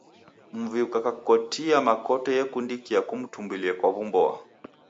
Mvi ukakakukotia makoto yekundika kutumbulie kwa w'umboa.